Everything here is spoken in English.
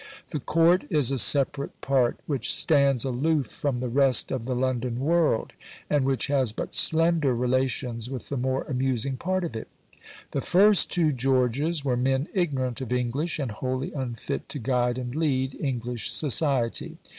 The Court is a separate part, which stands aloof from the rest of the London world, and which has but slender relations with the more amusing part of it. The first two Georges were men ignorant of English, and wholly unfit to guide and lead English society.